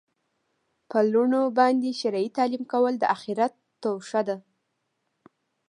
په لوڼو باندي شرعي تعلیم کول د آخرت توښه ده